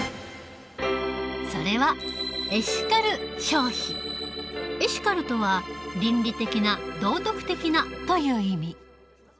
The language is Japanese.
それはエシカルとは「倫理的な」「道徳的な」という意味。